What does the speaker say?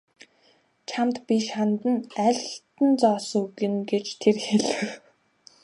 Чамд би шанд нь алтан зоос өгнө гэж тэр хэлэв.